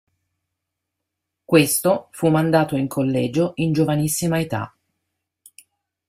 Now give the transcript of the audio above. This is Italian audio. Questo fu mandato in collegio in giovanissima età.